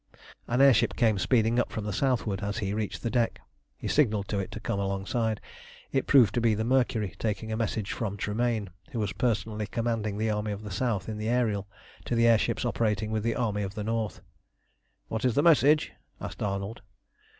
An air ship came speeding up from the southward as he reached the deck. He signalled to it to come alongside. It proved to be the Mercury taking a message from Tremayne, who was personally commanding the Army of the South in the Ariel, to the air ships operating with the Army of the North. "What is the message?" asked Arnold.